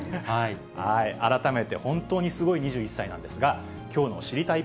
改めて本当にすごい２１歳なんですが、きょうの知りたいッ！